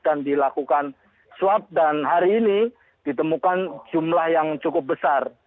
dan dilakukan swab dan hari ini ditemukan jumlah yang cukup besar